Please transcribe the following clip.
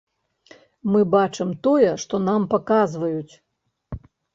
Мы бачым тое, што нам паказваюць.